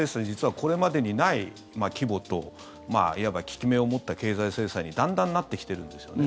実は、これまでにない規模といわば効き目を持った経済制裁にだんだんなってきているんです。